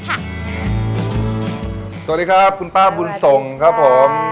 สวัสดีครับคุณป้าบุญส่งครับผม